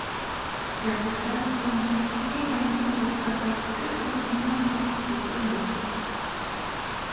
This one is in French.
Yaroslav en profite également pour savoir ce qu’Ordynov pense de son hôte.